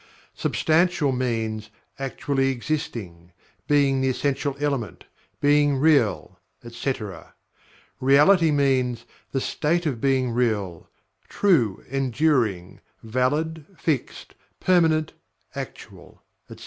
"Substantial" means: "actually existing; being the essential element; being real," etc. "Reality" means: "the state of being real; true, enduring; valid; fixed; permanent; actual," etc.